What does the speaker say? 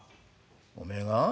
「おめえが？